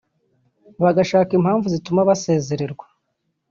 bagashaka impamvu zituma basezererwa